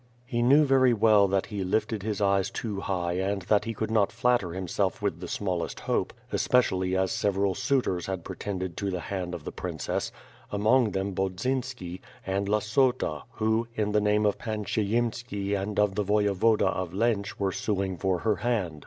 He knew very well that he lifted his eyes too high and that he could not flatter himself with the smallelst hope, especially as several suitors had pretended to the hand of the princess; among them Bodzynski, and Lassota who, in the name of Pan Pshiyemski and of the Voyevoda of Lench were suing for her hand.